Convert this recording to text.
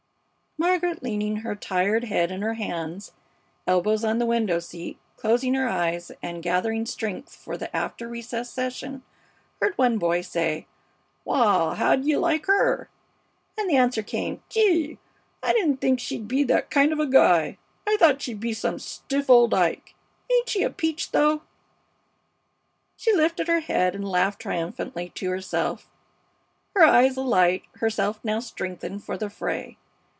Margaret, leaning her tired head in her hands, elbows on the window seat, closing her eyes and gathering strength for the after recess session, heard one boy say: "Wal, how d'ye like 'er?" And the answer came: "Gee! I didn't think she'd be that kind of a guy! I thought she'd be some stiff old Ike! Ain't she a peach, though?" She lifted up her head and laughed triumphantly to herself, her eyes alight, herself now strengthened for the fray.